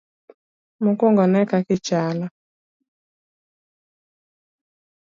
Mokwongo ne e kaka ichalo.